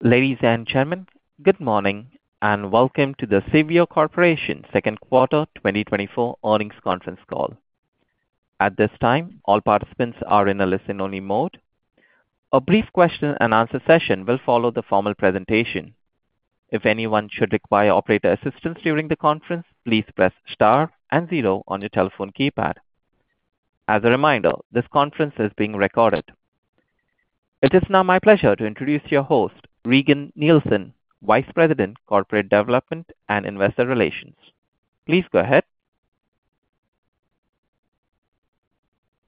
Ladies and gentlemen, good morning, and welcome to the Civeo Corporation Q2 2024 earnings conference call. At this time, all participants are in a listen-only mode. A brief question-and-answer session will follow the formal presentation. If anyone should require operator assistance during the conference, please press star and zero on your telephone keypad. As a reminder, this conference is being recorded. It is now my pleasure to introduce your host, Regan Nielsen, Vice President, Corporate Development and Investor Relations. Please go ahead.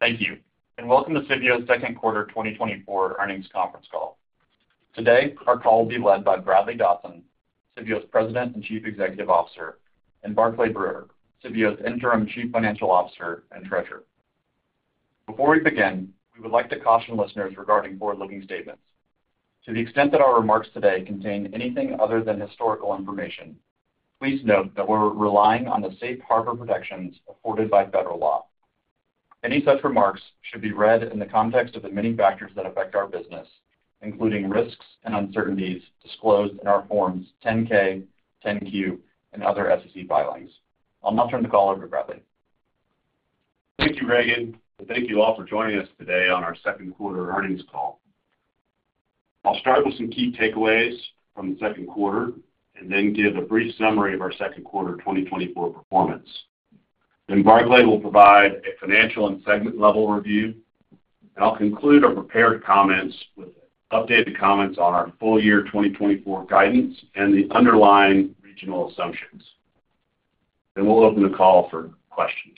Thank you, and welcome to Civeo's Q2 2024 earnings conference call. Today, our call will be led by Bradley Dodson, Civeo's President and Chief Executive Officer, and Barclay Brewer, Civeo's Interim Chief Financial Officer and Treasurer. Before we begin, we would like to caution listeners regarding forward-looking statements. To the extent that our remarks today contain anything other than historical information, please note that we're relying on the safe harbor protections afforded by federal law. Any such remarks should be read in the context of the many factors that affect our business, including risks and uncertainties disclosed in our forms 10-K, 10-Q, and other SEC filings. I'll now turn the call over to Bradley. Thank you, Regan, and thank you all for joining us today on our Q2 earnings call. I'll start with some key takeaways from the Q2 and then give a brief summary of our Q2 2024 performance. Then Barclay will provide a financial and segment-level review, and I'll conclude our prepared comments with updated comments on our full year 2024 guidance and the underlying regional assumptions. Then we'll open the call for questions.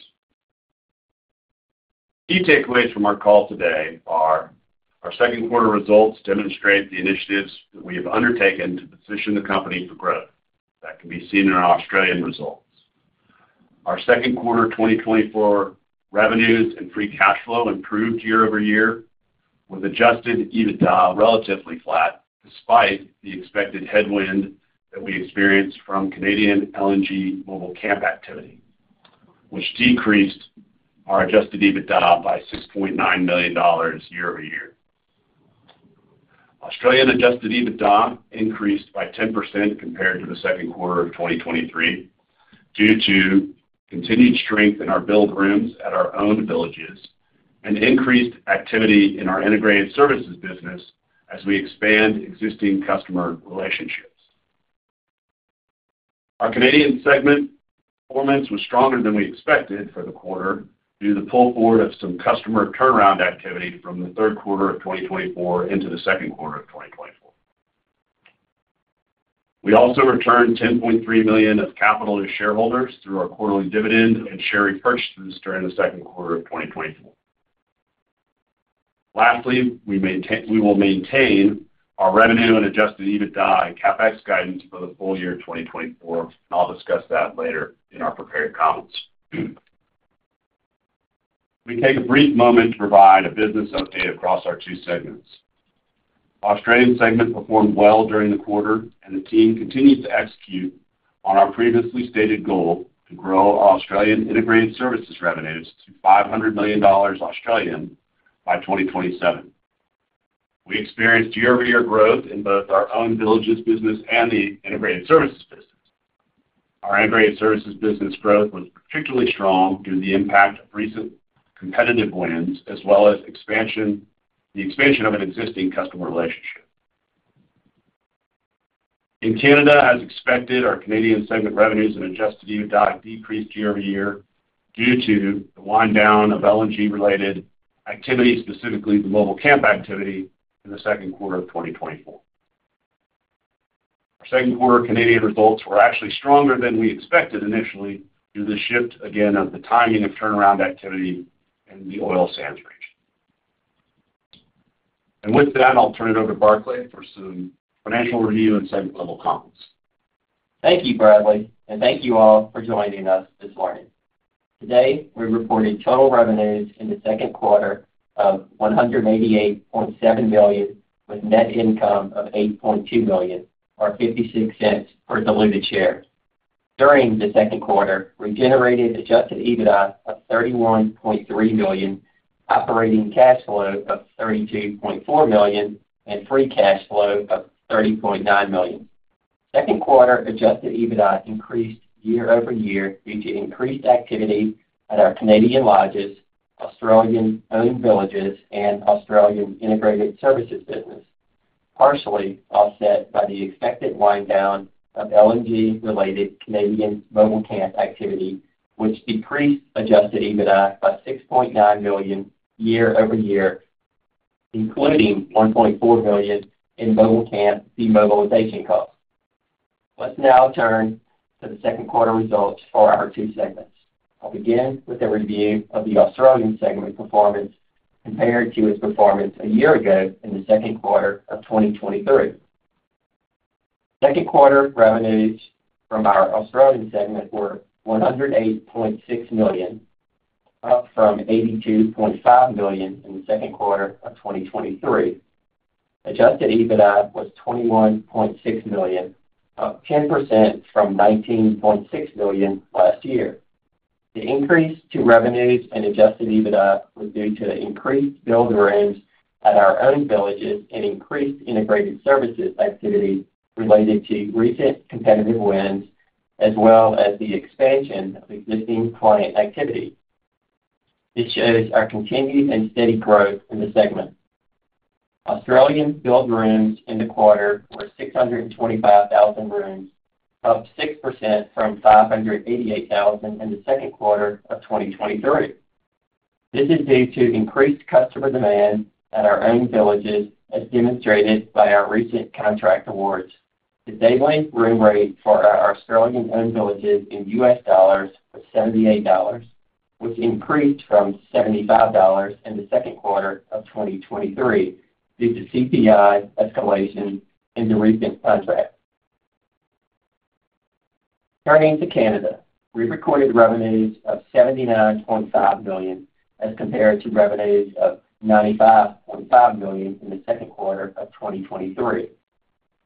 Key takeaways from our call today are, our Q2 results demonstrate the initiatives that we have undertaken to position the company for growth that can be seen in our Australian results. Our Q2 2024 revenues and free cash flow improved year-over-year, with Adjusted EBITDA relatively flat, despite the expected headwind that we experienced from Canadian LNG mobile camp activity, which decreased our Adjusted EBITDA by $6.9 million year-over-year. Australian Adjusted EBITDA increased by 10% compared to the Q2 of 2023, due to continued strength in our billed rooms at our own villages and increased activity in our integrated services business as we expand existing customer relationships. Our Canadian segment performance was stronger than we expected for the quarter due to the pull forward of some customer turnaround activity from the third quarter of 2024 into the Q2 of 2024. We also returned $10.3 million of capital to shareholders through our quarterly dividend and share repurchases during the Q2 of 2024. Lastly, we will maintain our revenue and Adjusted EBITDA and CapEx guidance for the full year 2024, and I'll discuss that later in our prepared comments. We take a brief moment to provide a business update across our two segments. Australian segment performed well during the quarter, and the team continues to execute on our previously stated goal to grow our Australian integrated services revenues to 500 million Australian dollars by 2027. We experienced year-over-year growth in both our own villages business and the integrated services business. Our integrated services business growth was particularly strong due to the impact of recent competitive wins, as well as the expansion of an existing customer relationship. In Canada, as expected, our Canadian segment revenues and adjusted EBITDA decreased year-over-year due to the wind down of LNG-related activities, specifically the mobile camp activity, in the Q2 of 2024. Our Q2 Canadian results were actually stronger than we expected initially due to the shift again of the timing of turnaround activity in the oil sands region. With that, I'll turn it over to Barclay for some financial review and segment-level comments. Thank you, Bradley, and thank you all for joining us this morning. Today, we reported total revenues in the Q2 of $188.7 million, with net income of $8.2 million, or $0.56 per diluted share. During the Q2, we generated adjusted EBITDA of $31.3 million, operating cash flow of $32.4 million, and free cash flow of $30.9 million. Q2 adjusted EBITDA increased year-over-year due to increased activity at our Canadian lodges, Australian-owned villages, and Australian integrated services business, partially offset by the expected wind down of LNG-related Canadian mobile camp activity, which decreased adjusted EBITDA by $6.9 million year-over-year, including $1.4 million in mobile camp demobilization costs. Let's now turn to the Q2 results for our two segments. I'll begin with a review of the Australian segment performance compared to its performance a year ago in the Q2 of 2023. Q2 revenues from our Australian segment were $108.6 million, up from $82.5 million in the Q2 of 2023. Adjusted EBITDA was $21.6 million, up 10% from $19.6 million last year. The increase to revenues and adjusted EBITDA was due to increased billed rooms at our own villages and increased integrated services activity related to recent competitive wins, as well as the expansion of existing client activity. This shows our continued and steady growth in the segment. Australian billed rooms in the quarter were 625,000 rooms, up 6% from 588,000 in the Q2 of 2023. This is due to increased customer demand at our own villages, as demonstrated by our recent contract awards. The day length room rate for our Australian-owned villages in U.S. dollars was $78, which increased from $75 in the Q2 of 2023 due to CPI escalation in the recent contract. Turning to Canada. We recorded revenues of $79.5 million, as compared to revenues of $95.5 million in the Q2 of 2023.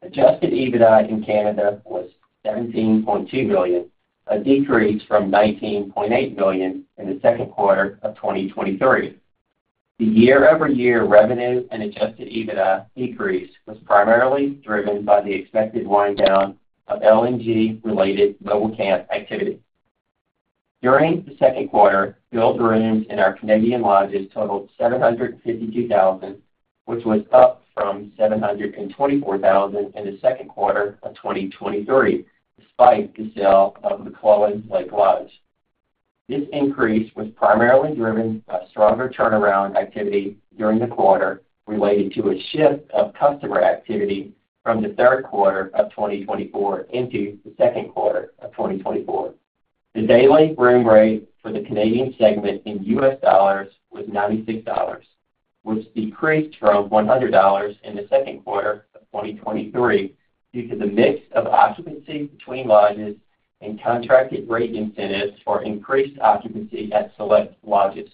Adjusted EBITDA in Canada was $17.2 billion, a decrease from $19.8 billion in the Q2 of 2023. The year-over-year revenue and adjusted EBITDA decrease was primarily driven by the expected wind down of LNG-related mobile camp activity. During the Q2, billed rooms in our Canadian lodges totaled 752,000, which was up from 724,000 in the Q2 of 2023, despite the sale of McClelland Lake Lodge. This increase was primarily driven by stronger turnaround activity during the quarter related to a shift of customer activity from the third quarter of 2024 into the Q2 of 2024. The day length room rate for the Canadian segment in US dollars was $96, which decreased from $100 in the Q2 of 2023 due to the mix of occupancy between lodges and contracted rate incentives for increased occupancy at select lodges.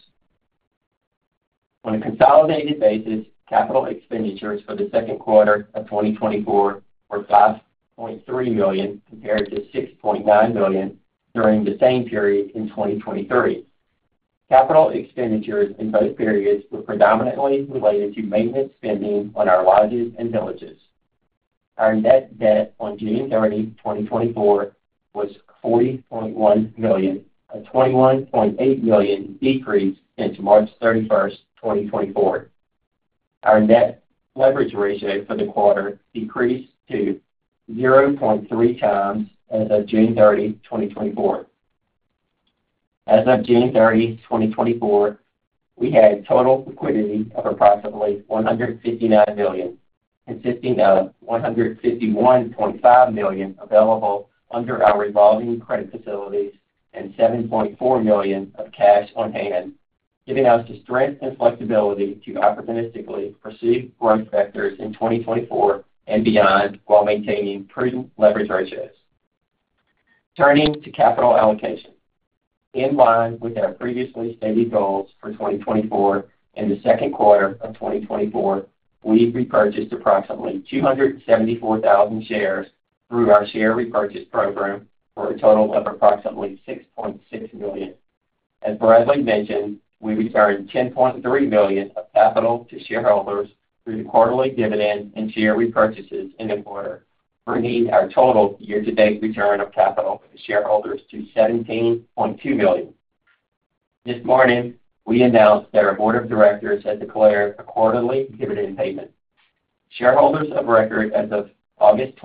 On a consolidated basis, capital expenditures for the Q2 of 2024 were $5.3 million, compared to $6.9 million during the same period in 2023. Capital expenditures in both periods were predominantly related to maintenance spending on our lodges and villages. Our net debt on 30 June 2024, was $40.1 million, a $21.8 million decrease since 31 March 2024. Our net leverage ratio for the quarter decreased to 0.3 times as of 30 June 2024. As of 30 June 2024, we had total liquidity of approximately $159 million, consisting of $151.5 million available under our revolving credit facilities and $7.4 million of cash on hand, giving us the strength and flexibility to opportunistically pursue growth vectors in 2024 and beyond, while maintaining prudent leverage ratios. Turning to capital allocation. In line with our previously stated goals for 2024 and the Q2 of 2024, we repurchased approximately 274,000 shares through our share repurchase program, for a total of approximately $6.6 million. As Bradley mentioned, we returned $10.3 million of capital to shareholders through the quarterly dividend and share repurchases in the quarter, bringing our total year-to-date return of capital to shareholders to $17.2 million. This morning, we announced that our board of directors has declared a quarterly dividend payment. Shareholders of record as of 26 August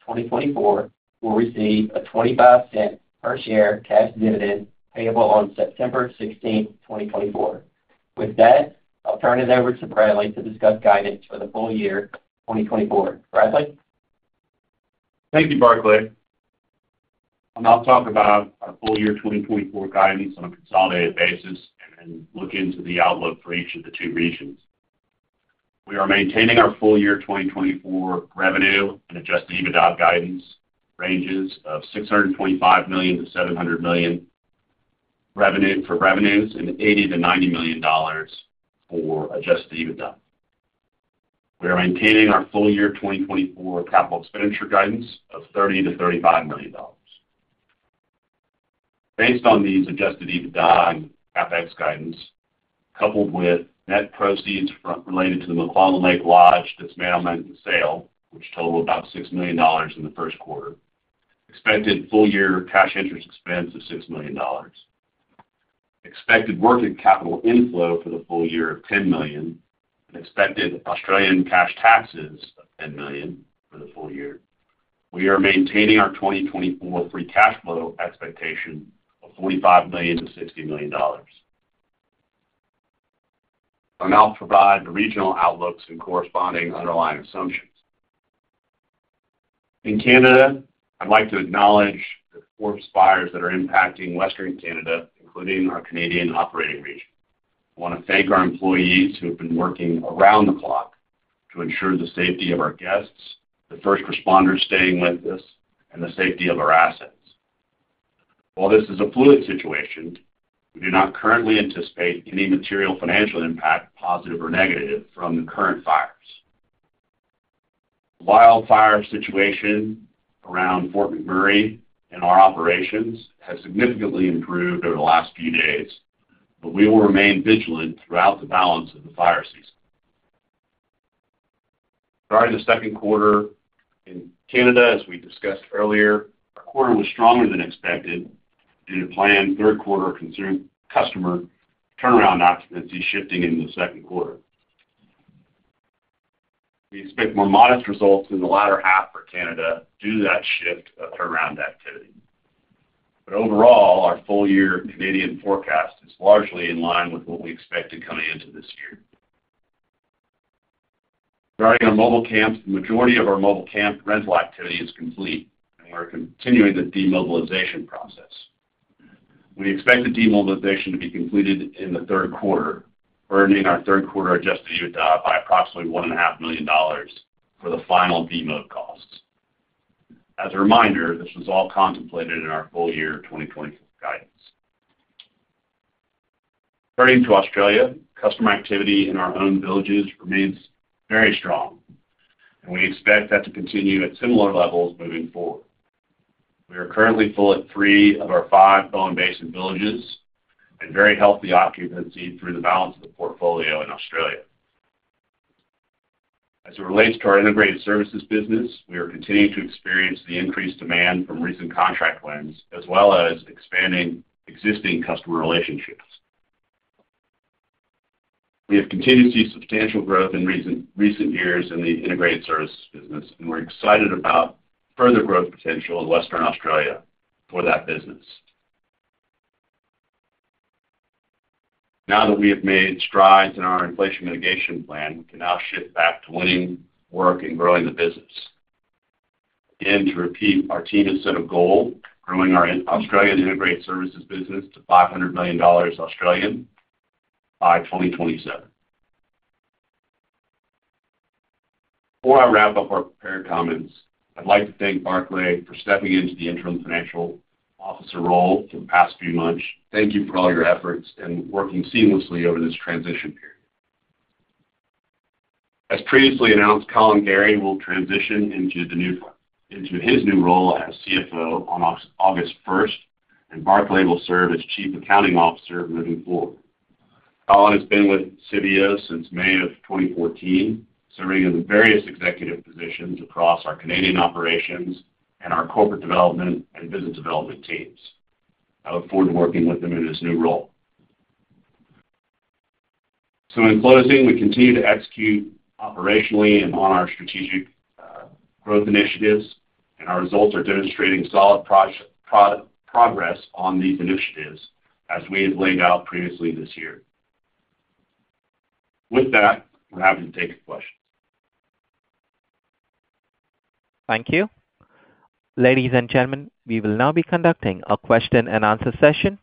2024, will receive a $0.25 per share cash dividend, payable on 16 September 2024. With that, I'll turn it over to Bradley to discuss guidance for the full year 2024. Bradley? Thank you, Barclay. I'll now talk about our full year 2024 guidance on a consolidated basis and look into the outlook for each of the two regions. We are maintaining our full year 2024 revenue and adjusted EBITDA guidance ranges of $625 million-$700 million for revenues, and $80 million to 90 million for adjusted EBITDA. We are maintaining our full year 2024 capital expenditure guidance of $30 million to 35 million. Based on these adjusted EBITDA and CapEx guidance, coupled with net proceeds from the sale related to the McClelland Lake Lodge, that's management sale, which totaled about $6 million in the Q1, expected full year cash interest expense of $6 million, expected working capital inflow for the full year of $10 million, and expected Australian cash taxes of $10 million for the full year. We are maintaining our 2024 free cash flow expectation of $45 million to 60 million. I'll now provide the regional outlooks and corresponding underlying assumptions. In Canada, I'd like to acknowledge the forest fires that are impacting Western Canada, including our Canadian operating region. I want to thank our employees who have been working around the clock to ensure the safety of our guests, the first responders staying with us, and the safety of our assets. While this is a fluid situation, we do not currently anticipate any material financial impact, positive or negative, from the current fires. The wildfire situation around Fort McMurray and our operations has significantly improved over the last few days, but we will remain vigilant throughout the balance of the fire season. Starting the Q2 in Canada, as we discussed earlier, our quarter was stronger than expected due to planned third quarter customer turnaround occupancy shifting into the Q2. We expect more modest results in the latter half for Canada due to that shift of turnaround activity. But overall, our full-year Canadian forecast is largely in line with what we expected coming into this year. Starting on mobile camps, the majority of our mobile camp rental activity is complete, and we're continuing the demobilization process. We expect the demobilization to be completed in the third quarter, earning our third quarter adjusted EBITDA by approximately $1.5 million for the final demob costs. As a reminder, this was all contemplated in our full-year 2020 guidance. Turning to Australia, customer activity in our own villages remains very strong, and we expect that to continue at similar levels moving forward. We are currently full at three of our five Bowen Basin villages and very healthy occupancy through the balance of the portfolio in Australia. As it relates to our integrated services business, we are continuing to experience the increased demand from recent contract wins, as well as expanding existing customer relationships. We have continued to see substantial growth in recent years in the integrated services business, and we're excited about further growth potential in Western Australia for that business. Now that we have made strides in our inflation mitigation plan, we can now shift back to winning work and growing the business. And to repeat, our team has set a goal, growing our Australian integrated services business to 500 million Australian dollars by 2027. Before I wrap up our prepared comments, I'd like to thank Barclay for stepping into the interim Chief Financial Officer role for the past few months. Thank you for all your efforts and working seamlessly over this transition period. As previously announced, Collin Gerry will transition into his new role as CFO on August 1st, and Barclay will serve as Chief Accounting Officer moving forward. Collin Gerry has been with Civeo since May of 2014, serving in various executive positions across our Canadian operations and our corporate development and business development teams. I look forward to working with him in his new role. So in closing, we continue to execute operationally and on our strategic growth initiatives, and our results are demonstrating solid progress on these initiatives as we have laid out previously this year. With that, I'm happy to take your questions. Thank you. Ladies and gentlemen, we will now be conducting a question and answer session.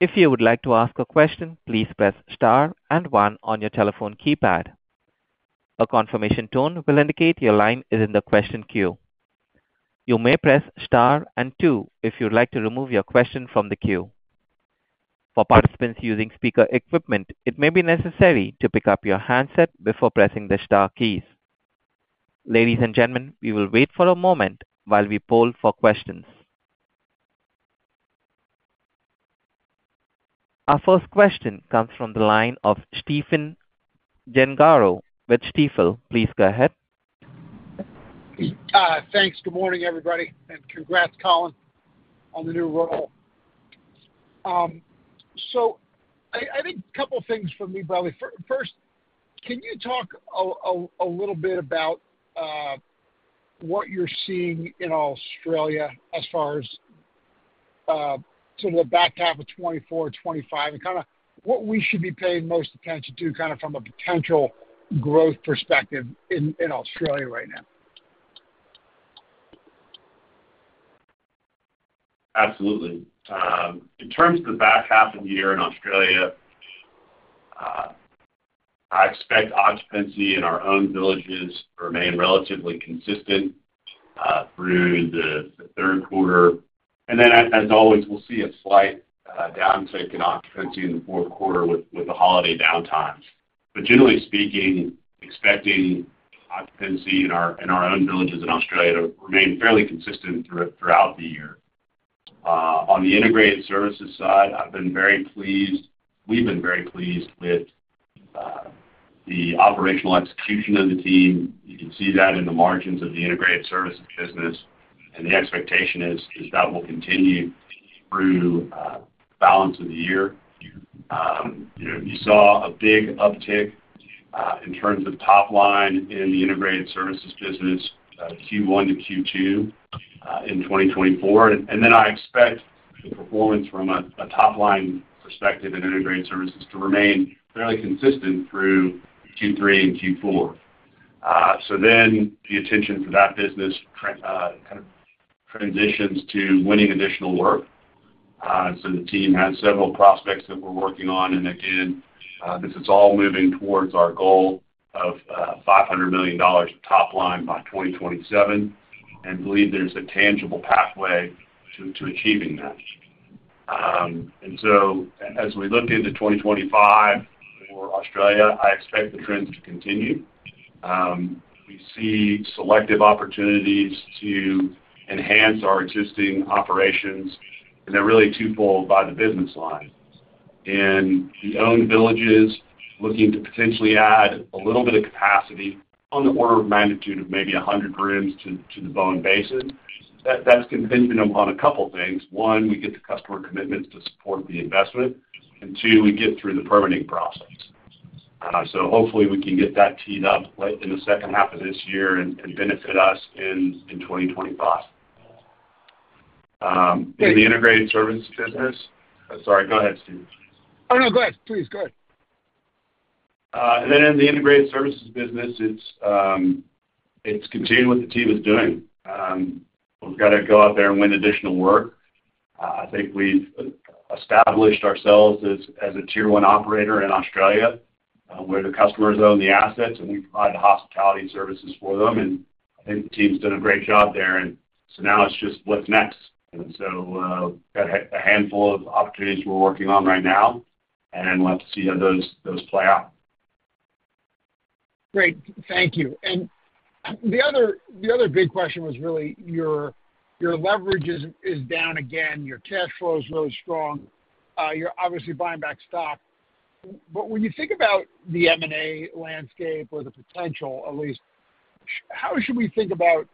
If you would like to ask a question, please press star and one on your telephone keypad. A confirmation tone will indicate your line is in the question queue. You may press star and two if you'd like to remove your question from the queue. For participants using speaker equipment, it may be necessary to pick up your handset before pressing the star keys. Ladies and gentlemen, we will wait for a moment while we poll for questions. Our first question comes from the line of Stephen Gengaro with Stifel. Please go ahead. Thanks. Good morning, everybody, and congrats, Collin, on the new role. So I think a couple of things for me, Bradley. First, can you talk a little bit about what you're seeing in Australia as far as sort of the back half of 2024, 2025, and kind of what we should be paying most attention to, kind of from a potential growth perspective in Australia right now? Absolutely. In terms of the back half of the year in Australia, I expect occupancy in our own villages to remain relatively consistent through the third quarter. And then, as always, we'll see a slight downtick in occupancy in the fourth quarter with the holiday downtimes. But generally speaking, expecting occupancy in our own villages in Australia to remain fairly consistent throughout the year. On the integrated services side, I've been very pleased, we've been very pleased with the operational execution of the team. You can see that in the margins of the integrated services business, and the expectation is that will continue through the balance of the year. You know, you saw a big uptick in terms of top line in the integrated services business, Q1 to Q2, in 2024. And then I expect the performance from a top line perspective in integrated services to remain fairly consistent through Q3 and Q4. So then the attention for that business kind of transitions to winning additional work. So the team has several prospects that we're working on, and again, this is all moving towards our goal of $500 million top line by 2027, and believe there's a tangible pathway to achieving that. And so as we look into 2025 for Australia, I expect the trends to continue. We see selective opportunities to enhance our existing operations, and they're really twofold by the business lines. In the owned villages, looking to potentially add a little bit of capacity on the order of magnitude of maybe 100 rooms to the Bowen Basin. That's contingent upon a couple things. One, we get the customer commitments to support the investment, and two, we get through the permitting process. So hopefully we can get that teed up late in the H2 of this year and benefit us in 2025. In the integrated services business. Sorry, go ahead, Steve. Oh, no, go ahead, please. Go ahead. And then in the integrated services business, it's continuing what the team is doing. We've got to go out there and win additional work. I think we've established ourselves as a tier one operator in Australia, where the customers own the assets, and we provide the hospitality services for them, and I think the team's done a great job there. So now it's just what's next. Got a handful of opportunities we're working on right now, and we'll have to see how those play out. Great. Thank you. And the other big question was really your leverage is down again, your cash flow is really strong, you're obviously buying back stock. But when you think about the M&A landscape or the potential, at least, how should we think about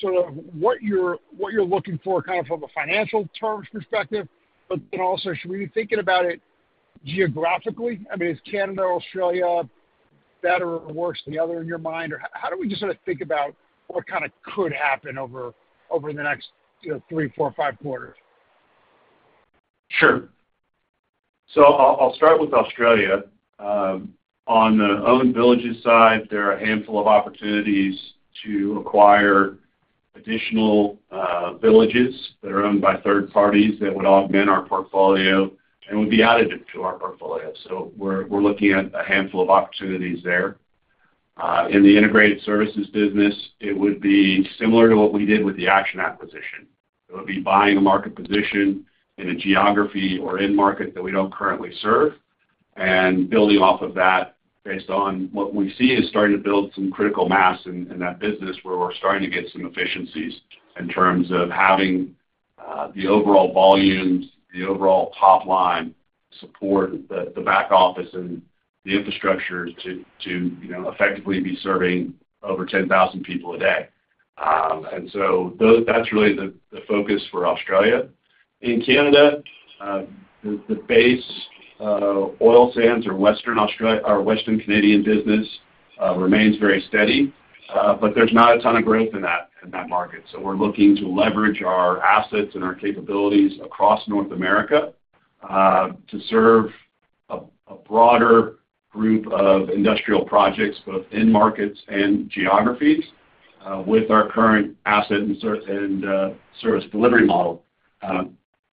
sort of what you're looking for, kind of from a financial terms perspective, but then also, should we be thinking about it geographically? I mean, is Canada or Australia better or worse than the other in your mind? Or how do we just sort of think about what kind of could happen over the next, you know, three, four, or five quarters? Sure. So I'll, I'll start with Australia. On the owned villages side, there are a handful of opportunities to acquire additional villages that are owned by third parties that would augment our portfolio and would be added to our portfolio. So we're, we're looking at a handful of opportunities there. In the integrated services business, it would be similar to what we did with the Action acquisition. It would be buying a market position in a geography or end market that we don't currently serve, and building off of that, based on what we see, is starting to build some critical mass in, in that business, where we're starting to get some efficiencies in terms of having the overall volumes, the overall top line support, the, the back office and the infrastructure to, to, you know, effectively be serving over 10,000 people a day. And so those, that's really the focus for Australia. In Canada, the base oil sands or Western Canadian business remains very steady, but there's not a ton of growth in that market. So we're looking to leverage our assets and our capabilities across North America to serve a broader group of industrial projects, both end markets and geographies, with our current asset and service delivery model.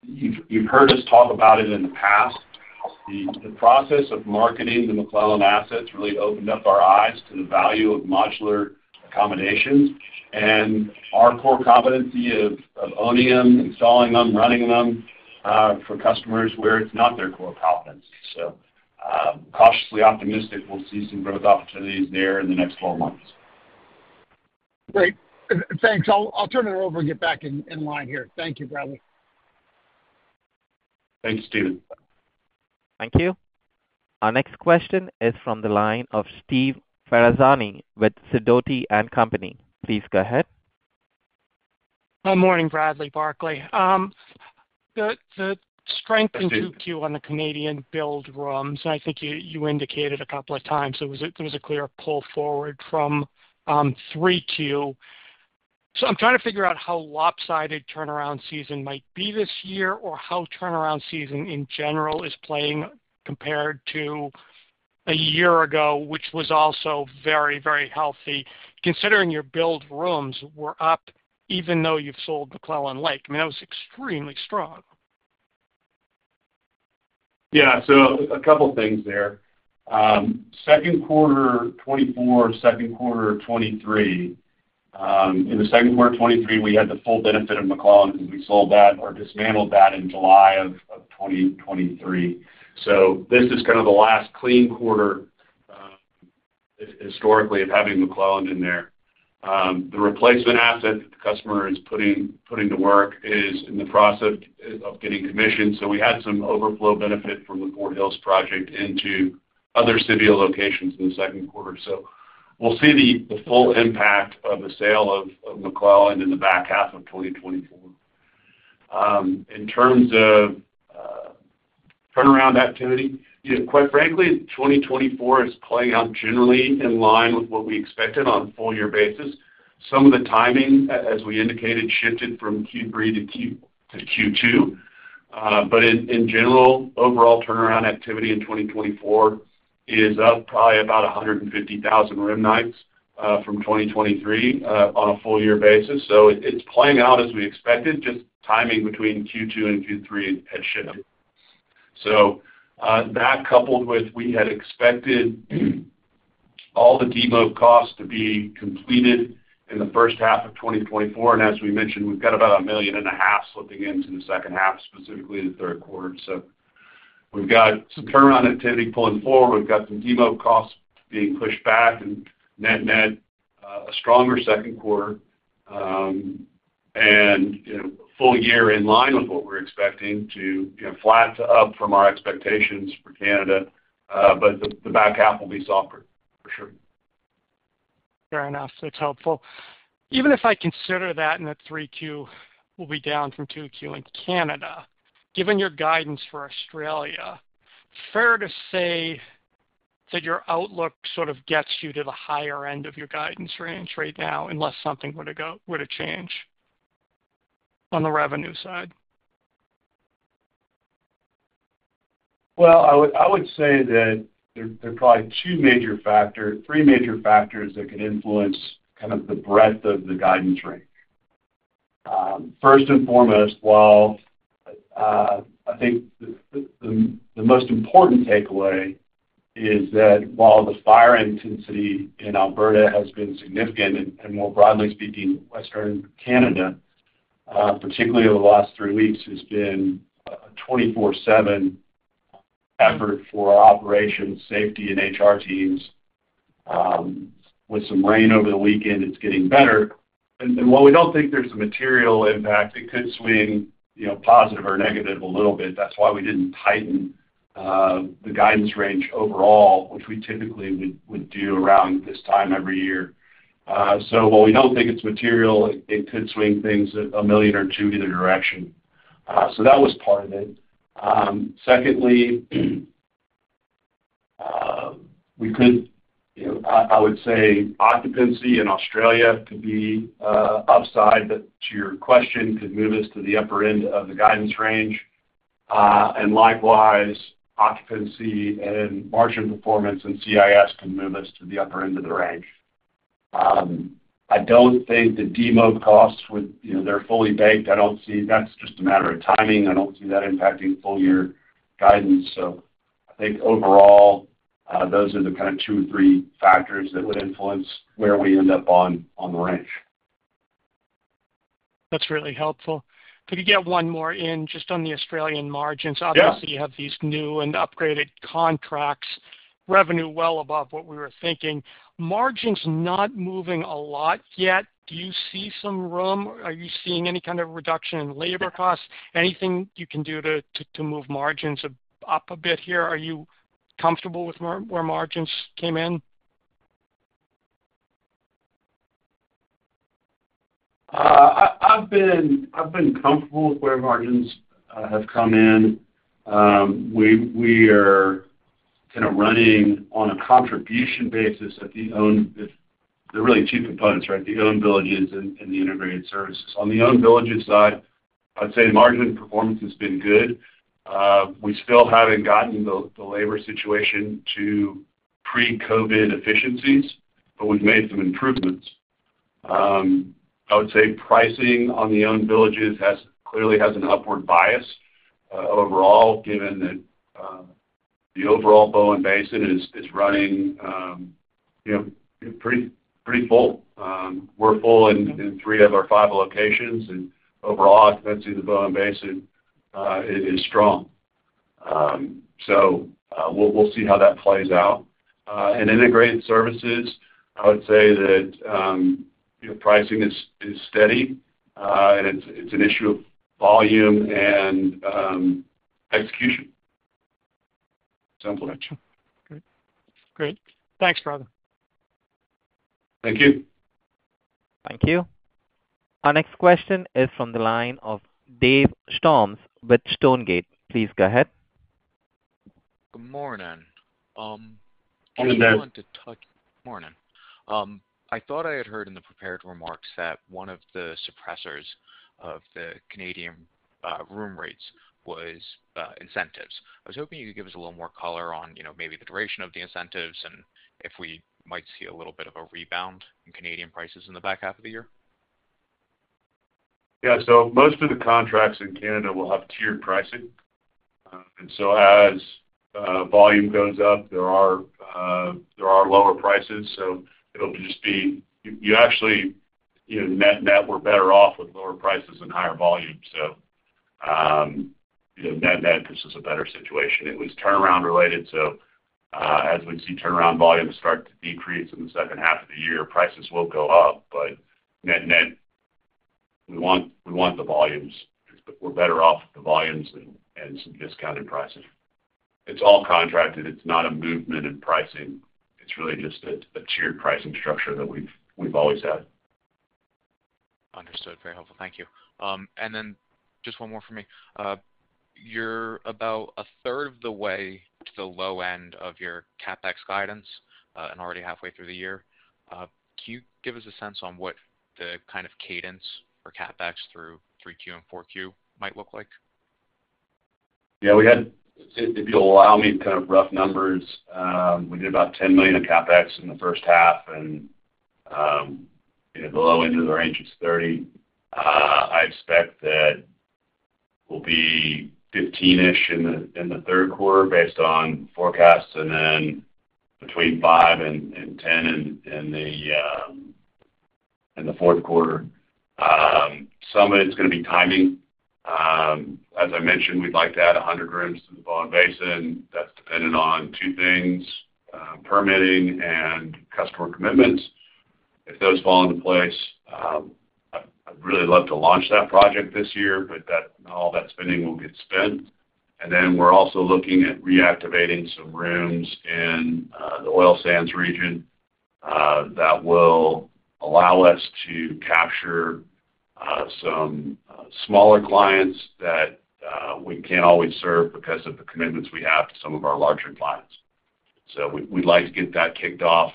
You've heard us talk about it in the past. The process of marketing the McClelland assets really opened up our eyes to the value of modular accommodations and our core competency of owning them, installing them, running them for customers where it's not their core competency. So, cautiously optimistic, we'll see some growth opportunities there in the next 12 months. Great. Thanks. I'll turn it over and get back in line here. Thank you, Bradley. Thanks, Steve. Thank you. Our next question is from the line of Steve Ferazani with Sidoti & Company. Please go ahead. Good morning, Bradley, Barclay. The strength. Hi, Steve. In Q2 on the Canadian billed rooms, I think you, you indicated a couple of times, there was a clear pull forward from Q3. So I'm trying to figure out how lopsided turnaround season might be this year, or how turnaround season, in general, is playing compared to a year ago, which was also very, very healthy, considering your billed rooms were up, even though you've sold McClelland Lake. I mean, that was extremely strong. Yeah. So a couple things there. Q2 2024, Q2 2023, in the Q2 of 2023, we had the full benefit of McClelland, because we sold that or dismantled that in July of 2023. So this is kind of the last clean quarter, historically, of having McClelland in there. The replacement asset the customer is putting to work is in the process of getting commissioned. So we had some overflow benefit from the Fort Hills project into other Civeo locations in the Q2. So we'll see the full impact of the sale of McClelland in the back half of 2024. In terms of turnaround activity, yeah, quite frankly, 2024 is playing out generally in line with what we expected on a full year basis. Some of the timing, as we indicated, shifted from Q3 to Q2. But in general, overall turnaround activity in 2024 is up probably about 150,000 room nights from 2023 on a full year basis. So it's playing out as we expected, just timing between Q2 and Q3 had shifted. So, that coupled with we had expected all the demobilization costs to be completed in the H1 of 2024. And as we mentioned, we've got about $1.5 million slipping into the H2, specifically the third quarter. So we've got some turnaround activity pulling forward. We've got some demob costs being pushed back and, net-net, a stronger Q2, and, you know, full year in line with what we're expecting, you know, flat to up from our expectations for Canada. But the back half will be softer, for sure. Fair enough. That's helpful. Even if I consider that in the Q3 will be down from Q2 in Canada, given your guidance for Australia, fair to say that your outlook sort of gets you to the higher end of your guidance range right now, unless something were to change on the revenue side? Well, I would, I would say that there, there are probably two major factors, three major factors that could influence kind of the breadth of the guidance range. First and foremost, while I think the most important takeaway is that while the fire intensity in Alberta has been significant, and more broadly speaking, Western Canada, particularly over the last three weeks, has been 24/7 effort for our operations, safety, and HR teams. With some rain over the weekend, it's getting better. And while we don't think there's a material impact, it could swing, you know, positive or negative a little bit. That's why we didn't tighten the guidance range overall, which we typically would do around this time every year. So while we don't think it's material, it could swing things $1 million or $2 million either direction. So that was part of it. Secondly, we could, you know, I would say occupancy in Australia could be upside, but to your question, could move us to the upper end of the guidance range. And likewise, occupancy and margin performance and CIS can move us to the upper end of the range. I don't think the demobilization costs would, you know, they're fully baked. I don't see, that's just a matter of timing. I don't see that impacting full-year guidance. So I think overall, those are the kind of two or three factors that would influence where we end up on the range. That's really helpful. Could you get one more in just on the Australian margins? Yeah. Obviously, you have these new and upgraded contracts, revenue well above what we were thinking. Margins not moving a lot yet. Do you see some room? Are you seeing any kind of reduction in labor costs? Anything you can do to move margins up a bit here? Are you comfortable with where margins came in? I've been comfortable with where margins have come in. We are kind of running on a contribution basis at the owned, really the two components, right? The owned villages and the integrated services. On the owned villages side, I'd say the margin performance has been good. We still haven't gotten the labor situation to pre-COVID efficiencies, but we've made some improvements. I would say pricing on the owned villages has clearly an upward bias overall, given that the overall Bowen Basin is running, you know, pretty full. We're full in three of our five locations, and overall, occupancy in the Bowen Basin is strong. So, we'll see how that plays out. In integrated services, I would say that, you know, pricing is steady, and it's an issue of volume and execution. Simple, actually. Great. Thanks. [inaudible] Thank you. Thank you. Our next question is from the line of Dave Storms with Stonegate. Please go ahead. Good morning. Good morning. Morning. I thought I had heard in the prepared remarks that one of the suppressors of the Canadian room rates was incentives. I was hoping you could give us a little more color on, you know, maybe the duration of the incentives and if we might see a little bit of a rebound in Canadian prices in the back half of the year. Yeah, so most of the contracts in Canada will have tiered pricing. And so as volume goes up, there are lower prices, so it'll just be, you actually, you know, net-net, we're better off with lower prices and higher volumes. So, you know, net-net, this is a better situation. It was turnaround related, so as we see turnaround volumes start to decrease in the H2 of the year, prices will go up. But net-net, we want the volumes. We're better off with the volumes than adding some discounted pricing. It's all contracted. It's not a movement in pricing. It's really just a tiered pricing structure that we've always had. Understood. Very helpful. Thank you. And then just one more for me. You're about a third of the way to the low end of your CapEx guidance, and already halfway through the year. Can you give us a sense on what the kind of cadence for CapEx through Q3 and Q4 might look like? Yeah, we had, if you'll allow me kind of rough numbers, we did about $10 million in CapEx in the H1, and the low end of the range is $30 million. I expect that will be 15-ish in the third quarter based on forecasts, and then between five and 10 in the fourth quarter. Some of it's gonna be timing. As I mentioned, we'd like to add 100 rooms to the Bowen Basin. That's dependent on two things, permitting and customer commitments. If those fall into place, I'd really love to launch that project this year, but not all that spending will get spent. And then we're also looking at reactivating some rooms in the oil sands region that will allow us to capture some smaller clients that we can't always serve because of the commitments we have to some of our larger clients. So we'd, we'd like to get that kicked off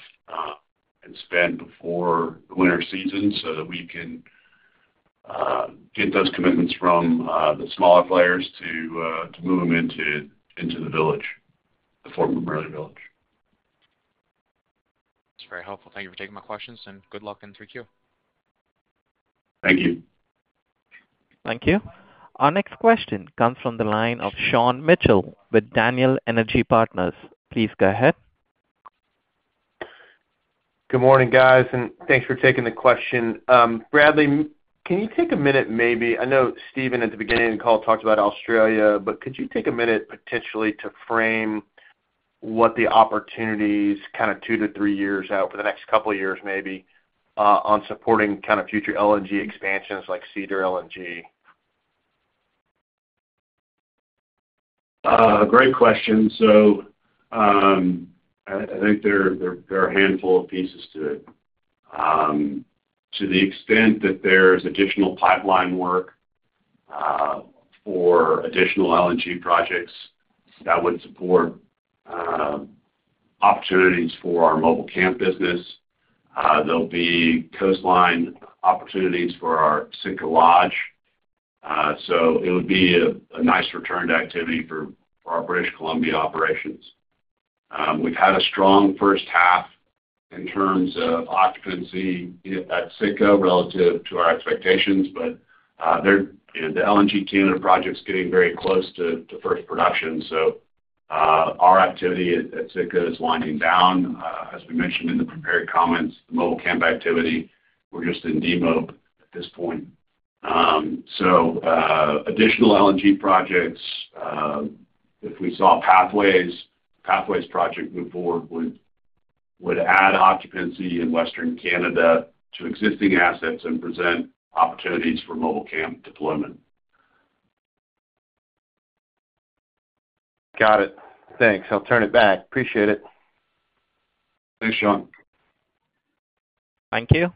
and spent before the winter season so that we can get those commitments from the smaller players to move them into the village, the former village. That's very helpful. Thank you for taking my questions, and good luck in Q3. Thank you. Thank you. Our next question comes from the line of Sean Mitchell with Daniel Energy Partners. Please go ahead. Good morning, guys, and thanks for taking the question. Bradley, can you take a minute, maybe? I know Steve, at the beginning of the call, talked about Australia, but could you take a minute potentially to frame what the opportunities, kind of, two to three years out, for the next couple of years maybe, on supporting kind of future LNG expansions like Cedar LNG? Great question. So, I think there are a handful of pieces to it. To the extent that there's additional pipeline work for additional LNG projects, that would support opportunities for our mobile camp business. There'll be coastline opportunities for our Sitka Lodge, so it would be a nice return to activity for our British Columbia operations. We've had a strong H1 in terms of occupancy at Sitka relative to our expectations, but the LNG Canada project's getting very close to first production, so our activity at Sitka is winding down. As we mentioned in the prepared comments, the mobile camp activity, we're just in demob at this point. So, additional LNG projects, if we saw Pathways project move forward, would add occupancy in Western Canada to existing assets and present opportunities for mobile camp deployment. Got it. Thanks. I'll turn it back. Appreciate it. Thanks, Sean. Thank you.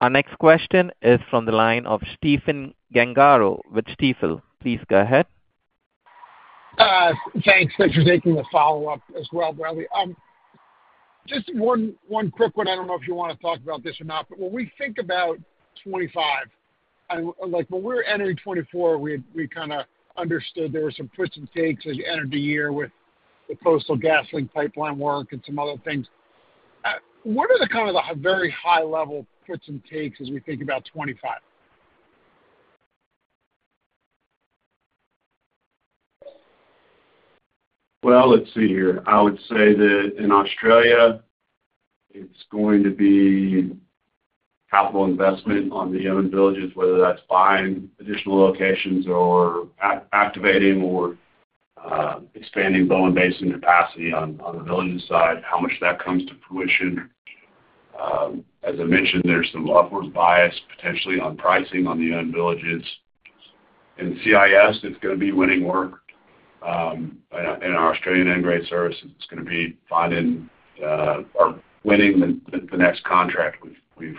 Our next question is from the line of Stephen Gengaro with Stifel. Please go ahead. Thanks. Thanks for taking the follow-up as well, Bradley. Just one quick one. I don't know if you want to talk about this or not, but when we think about 2025, and, like, when we were entering 2024, we kind of understood there were some puts and takes as you entered the year with the Coastal GasLink pipeline work and some other things. What are the kind of very high-level puts and takes as we think about 2025? Well, let's see here. I would say that in Australia, it's going to be capital investment on the owned villages, whether that's buying additional locations or activating or expanding Bowen Basin capacity on the villages side, how much that comes to fruition. As I mentioned, there's some upwards bias, potentially on pricing on the owned villages. In IS, it's going to be winning work, and our Australian integrated services, it's going to be finding or winning the next contract. We've,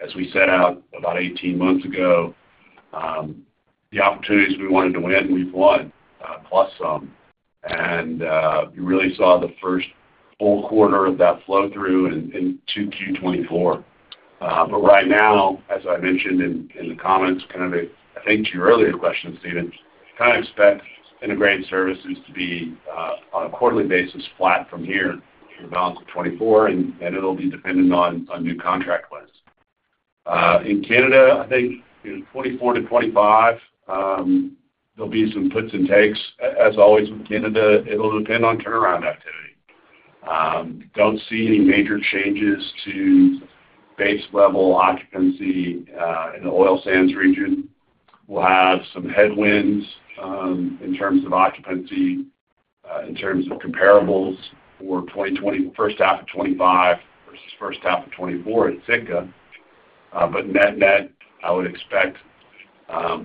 as we set out about 18 months ago, the opportunities we wanted to win, we've won, plus some. You really saw the first full quarter of that flow through into Q24. But right now, as I mentioned in the comments, kind of, I think, to your earlier question, Stephen, you kind of expect integrated services to be on a quarterly basis, flat from here for the balance of 2024, and it'll be dependent on new contract wins. In Canada, I think in 2024 to 2025, there'll be some puts and takes. As always, with Canada, it'll depend on turnaround activity. Don't see any major changes to base level occupancy in the oil sands region. We'll have some headwinds in terms of occupancy, in terms of comparables for H1 of 2025 versus H1 of 2024 at Sitka. But net-net, I would expect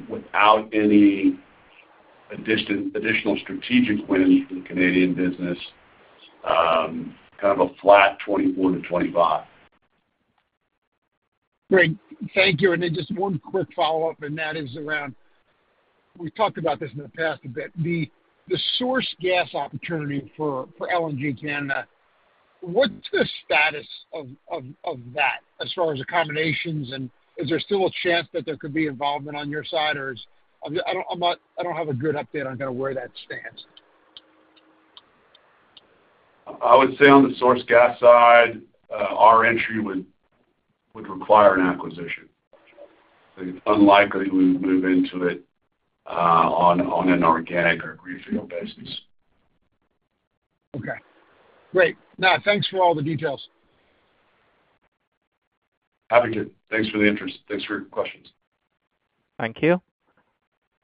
without any additional strategic wins in the Canadian business, kind of a flat 2024 to 2025. Great. Thank you. And then just one quick follow-up, and that is around. We talked about this in the past a bit. The source gas opportunity for LNG Canada, what's the status of that, as far as accommodations, and is there still a chance that there could be involvement on your side, or is. I'm not, I don't have a good update on kind of where that stands. I would say on the source gas side, our entry would require an acquisition. It's unlikely we would move into it on an organic or greenfield basis. Okay, great. Now, thanks for all the details. Happy to. Thanks for the interest. Thanks for your questions. Thank you.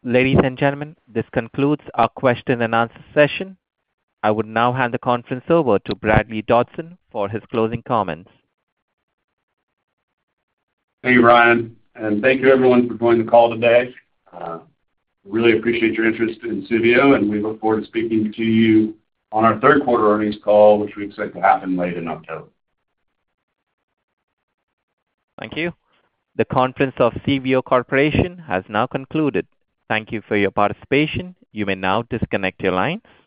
Ladies and gentlemen, this concludes our question and answer session. I would now hand the conference over to Bradley Dodson for his closing comments. Thank you, Ryan, and thank you everyone for joining the call today. Really appreciate your interest in Civeo, and we look forward to speaking to you on our third quarter earnings call, which we expect to happen late in October. Thank you. The conference of Civeo Corporation has now concluded. Thank you for your participation. You may now disconnect your line.